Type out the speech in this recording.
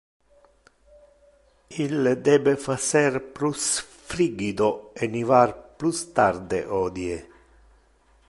Il debe facer plus frigido e nivar plus tarde hodie.